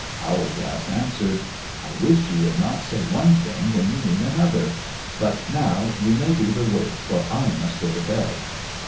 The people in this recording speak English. Owlglass answered, "I wish you would not say one thing when you mean another; but now you may do the work, for I must go to bed."